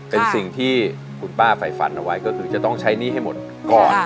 เป็นสิ่งที่คุณป้าไฟฝันเอาไว้ก็คือจะต้องใช้หนี้ให้หมดก่อน